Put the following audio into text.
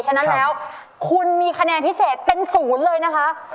ช่วยฝังดินหรือกว่า